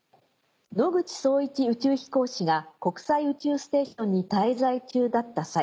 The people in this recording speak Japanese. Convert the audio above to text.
野口聡一宇宙飛行士が国際宇宙ステーションに滞在中だった際